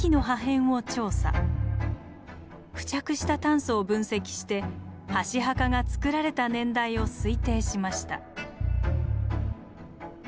付着した炭素を分析して箸墓がつくられた年代を推定しました。